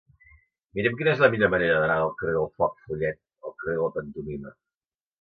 Mira'm quina és la millor manera d'anar del carrer del Foc Follet al carrer de la Pantomima.